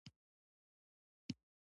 له څړونو دوام لرونکي ګټه اخیستنه.